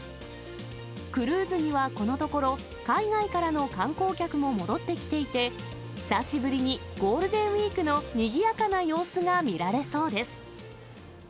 クルーズにはこのところ、海外からの観光客も戻ってきていて、久しぶりにゴールデンウィークのにぎやかな様子が見られそうです。